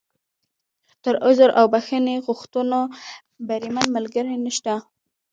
تر عذر او بښنې غوښتو، بریمن ملګری نشته.